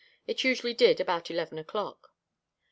It usually did about eleven o'clock.